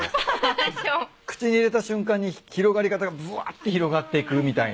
口に入れた瞬間に広がり方がぶわって広がっていくみたいな。